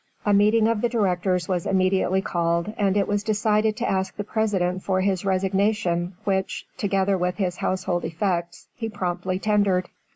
A meeting of the directors was immediately called, and it was decided to ask the President for his resignation which, together with his household effects, he promptly tendered.